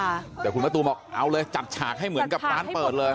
ค่ะแต่คุณมะตูมบอกเอาเลยจัดฉากให้เหมือนกับร้านเปิดเลย